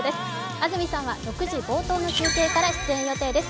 安住さんは６時冒頭から出演予定です。